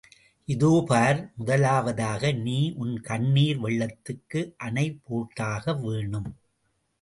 இதோ பார், முதலாவதாக நீ உன் கண்ணீர் வெள்ளத்துக்கு அணை போட்டாக வேணும்.